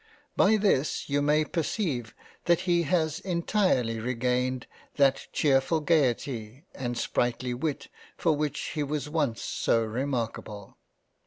By this, you may perceive that he has entirely regained that chearful Gaiety, and sprightly Wit, for which he was once so remarkable.